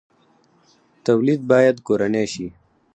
تولید باید کورنی شي